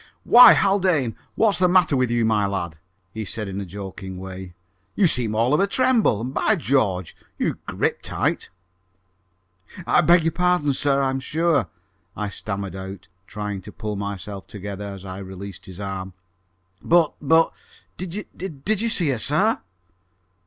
"Why, Haldane, what's the matter with you, my lad?" he said in a joking way, "You seem all of a tremble; and, by George, you grip tight!" "I beg your pardon, sir, I'm sure," I stammered out, trying to pull myself together as I released his arm. "But but did you did you see her, sir?"